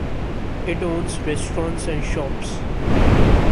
It owns restaurants and shops.